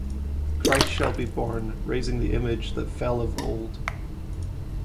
Christ shall be born, raising the image that fell of old.